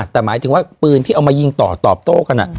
แต่หมายถึงว่าปืนที่เอามายิงต่อตอบโต้กัน